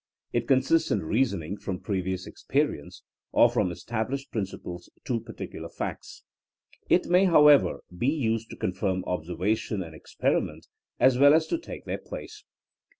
It consists in reasoning from previous e^erience or from established principle s to partic ular ■*■"■ facts. It may, however, be used to confirm ob servation and experiment as well as to take their place.